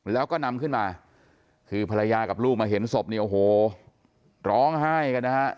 แล้วก็นำขึ้นมาคือภรรยากับลูกมาเห็นศพเนี่ยโอ้โหร้องไห้กันนะฮะ